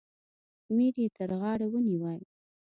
میر یې تر غاړه ونیوی.